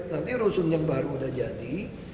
nanti rusun yang baru udah jadi